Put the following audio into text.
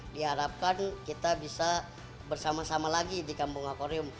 diharapkan kita bisa bersama sama lagi di kambung nakwarium